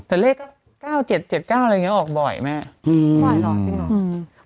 แต่เลขเก้าเจ็ดเจ็ดเก้าอะไรอย่างเงี้ยออกบ่อยแม่อืมอืมอืม